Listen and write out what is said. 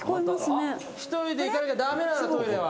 ・１人で行かなきゃ駄目なのトイレは。